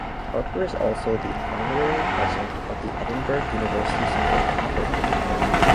Harper is also the Honorary President of the Edinburgh University Savoy Opera Group.